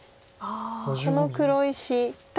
この黒石対。